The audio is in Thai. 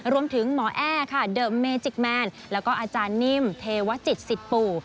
รวมถึงหมอแอ้ค่ะเดิมเมจิกแมนแล้วก็อาจารย์นิ่มเทวจิตปู่